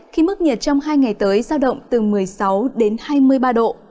khi mức nhiệt trong hai ngày tới sao động từ một mươi sáu đến hai mươi ba độ